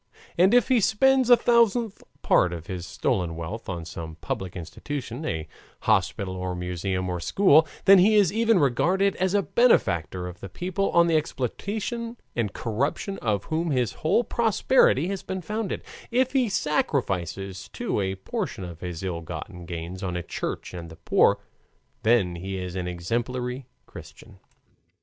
And if he spends a thousandth part of his stolen wealth on some public institution, a hospital or museum or school, then he is even regarded as the benefactor of the people on the exploitation and corruption of whom his whole prosperity has been founded: if he sacrifices, too, a portion of his ill gotten gains on a Church and the poor, then he is an exemplary Christian.